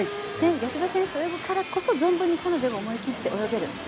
吉田選手と泳ぐからこそ存分に彼女も思い切って泳げる。